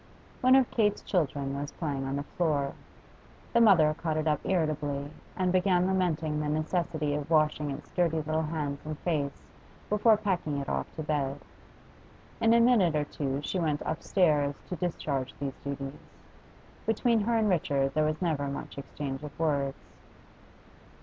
One of Kate's children was playing on the floor. The mother caught it up irritably, and began lamenting the necessity of washing its dirty little hands and face before packing it off to bed. In a minute or two she went up stairs to discharge these duties. Between her and Richard there was never much exchange of words.